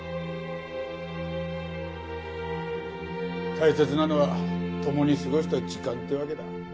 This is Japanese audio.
大切なのは共に過ごした時間ってわけだ。